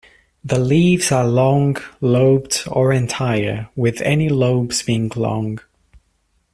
The leaves are, long, lobed or entire, with any lobes being long.